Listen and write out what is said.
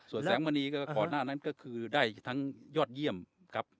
ส่วนแสงมณีก็ก่อนหน้านั้นก็คือได้ทั้งยอดเยี่ยมครับ